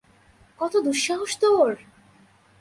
কত দুঃসাহস তোর!